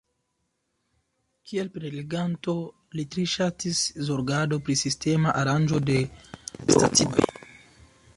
Kiel preleganto li tre ŝatis zorgado pri sistema aranĝo de stacidomoj.